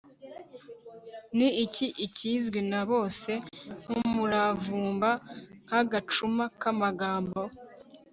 ni ikizi (ikizwi na) bose nk'umuravumba (nk'agacuma k'amagambo)